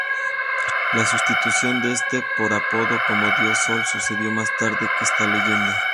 La sustitución de este por Apolo como dios-sol sucedió más tarde que esta leyenda.